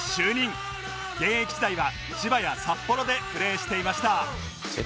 現役時代は千葉や札幌でプレーしていました